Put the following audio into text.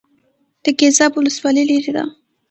د ګیزاب ولسوالۍ لیرې ده